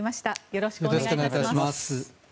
よろしくお願いします。